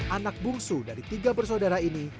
anak bungsu dari tiga bersaudara ini